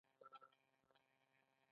پاڅون کوونکي د چانګان ښار ته ننوتل.